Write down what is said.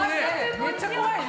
めっちゃ怖いね。